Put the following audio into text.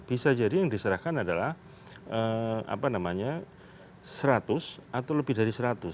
bisa jadi yang diserahkan adalah seratus atau lebih dari seratus